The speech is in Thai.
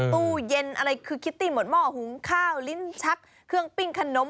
ตู้เย็นอะไรคือคิตตี้หมดหม้อหุงข้าวลิ้นชักเครื่องปิ้งขนม